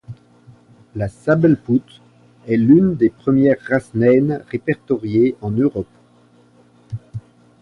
La sabelpoot est l'une des premières races naines répertoriées en Europe.